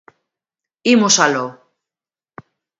Imos aló.